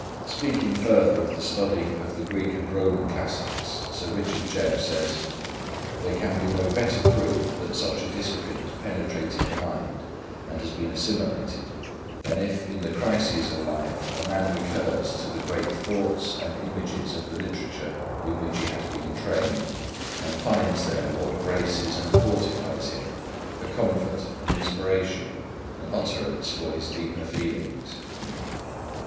Speaking further of the study of the Greek and Roman classics, Sir Richard Jebb says: "There can be no better proof that such a discipline has penetrated the mind, and has been assimilated, than if, in the crises of life, a man recurs to the great thoughts and images of the literature in which he has been trained, and finds there what braces and fortifies him, a comfort, an inspiration, an utterance for his deeper feelings."